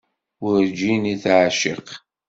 Werǧin i teεciq.